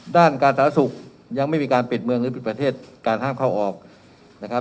ด้านการสาธารณสุขยังไม่มีการปิดเมืองหรือปิดประเทศการห้ามเข้าออกนะครับ